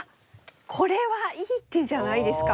これはいい手じゃないですか？